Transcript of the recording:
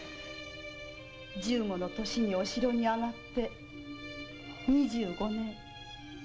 １５の年にお城へ上がって２５年。